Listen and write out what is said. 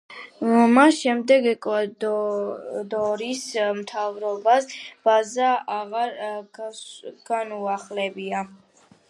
მას შემდეგ, ეკვადორის მთავრობას ბაზა აღარ განუახლებია.